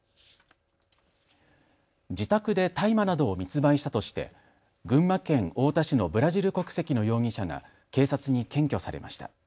自宅で大麻などを密売したとして群馬県太田市のブラジル国籍の容疑者が警察に検挙されました。